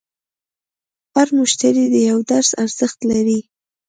هر مشتری د یوه درس ارزښت لري.